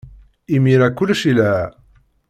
Imir-a, kullec yelha.